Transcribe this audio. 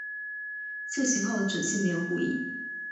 旧型号的准星没有护翼。